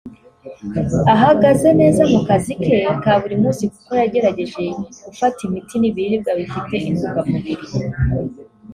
ahagaze neza mu kazi ke ka buri munsi kuko yagerageje gufata imiti n’ibiribwa bifite intungamubiri